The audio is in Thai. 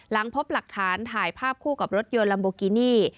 หลังพบหลักฐานถ่ายภาพคู่กับรถยนต์ลัมโบกินี่